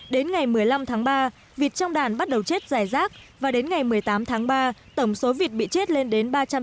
đến ngày một mươi năm tháng ba vịt trong đàn bắt đầu chết dài rác và đến ngày một mươi tám tháng ba tổng số vịt bị chết lên đến ba trăm chín mươi sáu con